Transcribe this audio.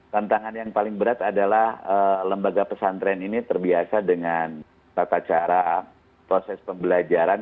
tantangan yang paling berat adalah lembaga pesantren ini terbiasa dengan tata cara proses pembelajaran